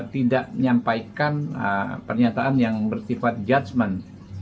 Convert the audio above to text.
tidak menyampaikan pernyataan yang bersifat judgement